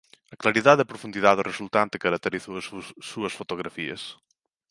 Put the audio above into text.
A claridade e profundidade resultante caracterizou as súas fotografías.